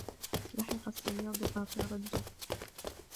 لحِق الصياد آثار الدب.